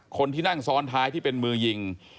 คนที่นั่งซ้อนท้ายที่เป็นมือยิง